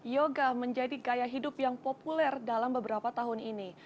yoga menjadi gaya hidup yang populer dalam beberapa tahun ini